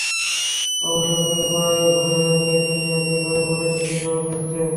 অবসর পেলে প্রায়ই ভোরে সাইকেল নিয়ে বের হয়ে পড়েন তিনি শহর দেখতে।